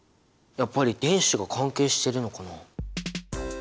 やっぱり電子が関係してるのかな？